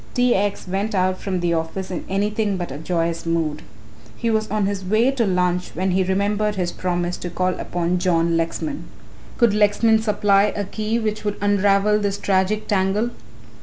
T. X. went out from the office in anything but a joyous mood. He was on his way to lunch when he remembered his promise to call upon John Lexman. Could Lexman supply a key which would unravel this tragic tangle?